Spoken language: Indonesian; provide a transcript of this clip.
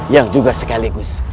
yang juga sekaligus